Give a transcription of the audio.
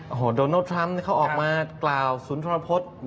โอ้โหโดนัลดทรัมป์เขาออกมากล่าวสุนทรพฤษ